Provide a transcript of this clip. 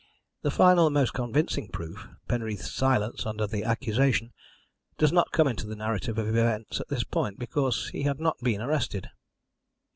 The final and most convincing proof Penreath's silence under the accusation does not come into the narrative of events at this point, because he had not been arrested.